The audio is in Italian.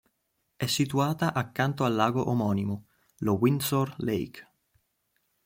È situata accanto al lago omonimo, lo Windsor Lake.